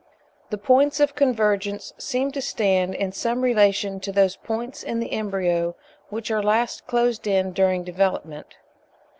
The points of convergence seem to stand in some relation to those points in the embryo which are last closed in during development.